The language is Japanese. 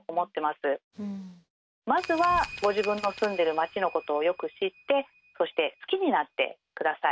まずはご自分の住んでる町のことをよく知ってそして好きになって下さい。